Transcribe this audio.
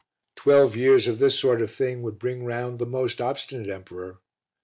Twelve years of this sort of thing would bring round the most obstinate emperor.